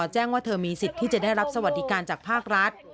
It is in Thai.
แจ้งว่าเธอมีสิทธิ์ที่จะได้รับสวัสดิการจากภาครัฐ